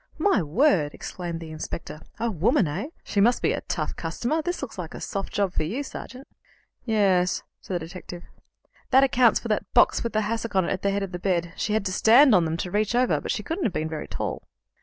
"My word!" exclaimed the inspector. "A woman, eh? She must be a tough customer. This looks like a soft job for you, sergeant." "Yes," said the detective. "That accounts for that box with the hassock on it at the head of the bed. She had to stand on them to reach over. But she couldn't have been very tall."